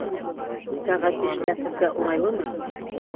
Сәғәт биштә һеҙгә уңайлымы?